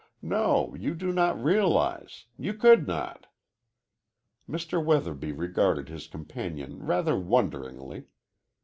No, you do not realize you could not!" Mr. Weatherby regarded his companion rather wonderingly.